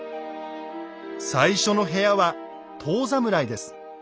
最初の部屋は「遠侍」です。